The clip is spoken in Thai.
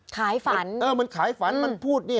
ฝันเออมันขายฝันมันพูดนี่